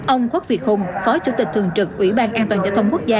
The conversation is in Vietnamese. ông khuất việt hùng phó chủ tịch thường trực ủy ban an toàn giao thông quốc gia